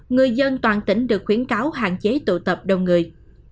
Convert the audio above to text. người dân toàn tỉnh được khuyến cáo hạn chế tụ tập đông người